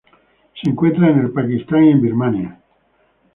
Se encuentra en el Pakistán y Birmania.